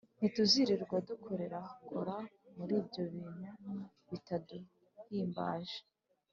ntituzirirwa dukorakora muri ibyo bintu bitaduhimbaje